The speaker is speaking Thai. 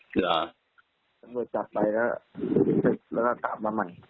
คือจับไปแล้วก็ตามมาใหม่